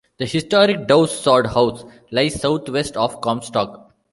The historic Dowse Sod House lies southwest of Comstock.